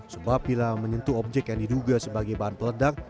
sebab bila menyentuh objek yang diduga sebagai bahan peledak